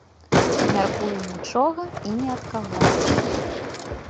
Мяркую, нічога і ні ад каго.